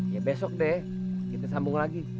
ya besok deh kita sambung lagi